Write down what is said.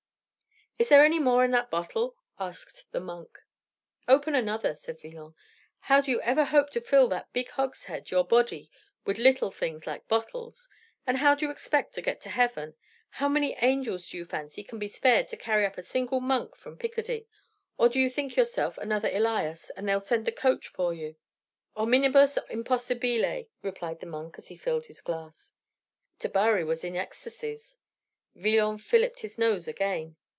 "Is there any more in that bottle?" asked the monk. "Open another," said Villon. "How do you ever hope to fill that big hogshead, your body, with little things like bottles? And how do you expect to get to heaven? How many angels, do you fancy, can be spared to carry up a single monk from Picardy? Or do you think yourself another Elias and they'll send the coach for you?" "Hominibus impossibile" replied the monk, as he filled his glass. Tabary was in ecstasies. Villon filliped his nose again.